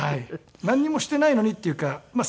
なんにもしてないのにっていうかまあ